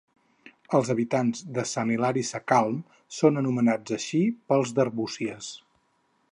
Els habitants de Sant Hilari Sacalm són anomenats així pels d'Arbúcies.